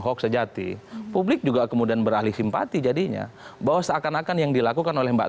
hoax sejati publik juga kemudian beralih simpati jadinya bahwa seakan akan yang dilakukan oleh mbak